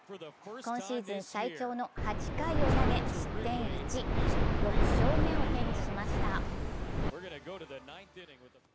今シーズン最長の８回を投げ失点１、６勝目を手にしました。